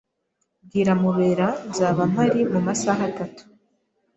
Bwira Mubera nzaba mpari mumasaha atatu.